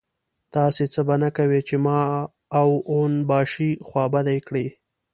داسې څه به نه کوې چې ما او اون باشي خوابدي کړي.